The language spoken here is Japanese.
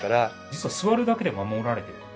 実は座るだけで守られている。